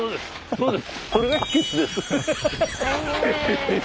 そうです。